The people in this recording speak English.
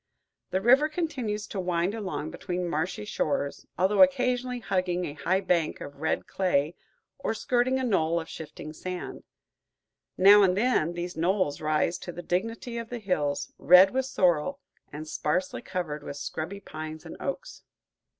The river continues to wind along between marshy shores, although occasionally hugging a high bank of red clay or skirting a knoll of shifting sand; now and then these knolls rise to the dignity of hills, red with sorrel and sparsely covered with scrubby pines and oaks.